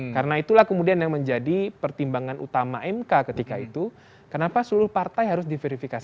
karena itulah kemudian yang menjadi pertimbangan utama mk ketika itu kenapa seluruh partai harus diverifikasi